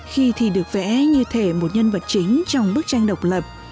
khi thì được vẽ như thể một nhân vật chính trong bức tranh độc lập